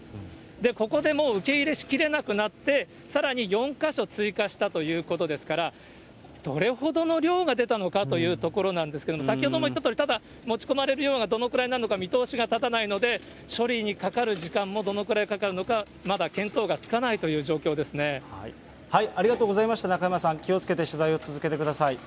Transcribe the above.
ここでもう受け入れしきれなくなって、さらに４か所追加したということですから、どれほどの量が出たのかというところなんですが、先ほども言ったとおり、ただ、持ち込まれる量がどのぐらいなのか見通しが立たないので、処理にかかる時間もどのくらいかかるのか、まだ検討がつかないという状ありがとうございました、中山さん、気をつけて取材を続けてください。